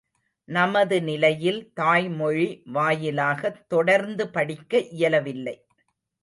நமது நிலையில் தாய்மொழி வாயிலாகத் தொடர்ந்து படிக்க இயலவில்லை.